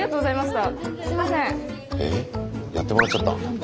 えっやってもらっちゃった。